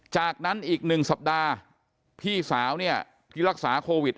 จากนั้นอีก๑สัปดาห์พี่สาวเนี่ยที่รักษาโควิด